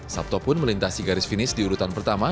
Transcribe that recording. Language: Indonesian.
sabto pun melintasi garis finish di urutan pertama